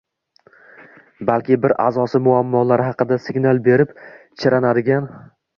Balki bir a’zosi muammolar haqida signal berib chiranadigan